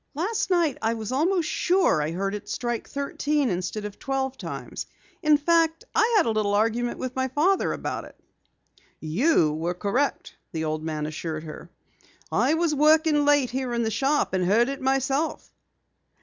"Last night I was almost sure I heard it strike thirteen instead of twelve times. In fact, I had a little argument with my father about it." "You were correct," the old man assured her. "I was working late here in the shop and heard it myself."